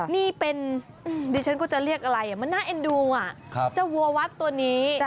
นี่เป็นดิฉันก็จะเรียกอะไรมันน่าเอ็นดูเจ้าวัววัดตัวนี้